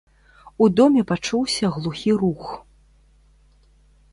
У доме пачуўся глухі рух.